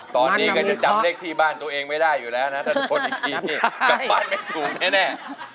ตอนนี้ก็จะจำเลขที่บ้านตัวเองไม่ได้อยู่แล้วนะถ้าทุกคนอีกทีนี่กลับบ้านไม่ถูกแน่